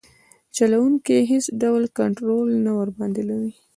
چلوونکي یې هیڅ ډول کنټرول نه ورباندې لري.